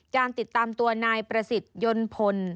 การติดตามตัวนายประสิทธิ์ยนต์พล